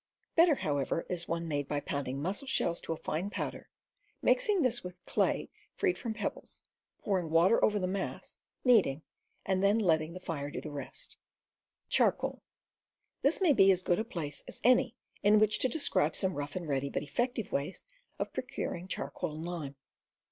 Better, however, is one made by pound ing mussel shells to a fine powder, mixing this with clay freed from pebbles, pouring water over the mass, kneading, and then letting the fire do the rest. This may be as good a place as any in which to de scribe some rough and ready but effective ways of pro p, curing charcoal and lime.